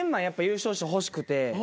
やっぱ優勝して欲しくて。